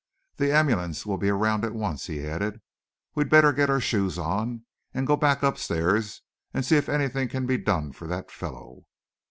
"The ambulance will be around at once," he added. "We'd better get our shoes on, and go back upstairs, and see if anything can be done for that fellow."